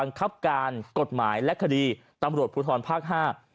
ครับการกฎหมายและคดีตำรวจภูทรภาคห้า